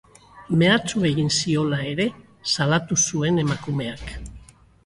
Mehatxu egin ziola ere salatu zuen emakumeak.